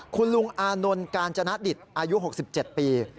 ขอลุงอาหนิลิจะนัดอายุ๖๗ปี